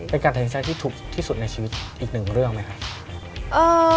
การตัดสินใจที่ถูกที่สุดในชีวิตอีกหนึ่งเรื่องไหมครับ